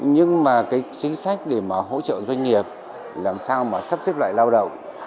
nhưng mà chính sách để hỗ trợ doanh nghiệp làm sao mà sắp xếp lại lao động